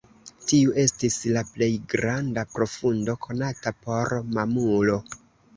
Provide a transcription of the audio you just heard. Tiu estis la plej granda profundo konata por mamulo.